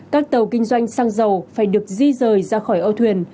các tàu kinh doanh xăng dầu phải được di rời ra khỏi âu thuyền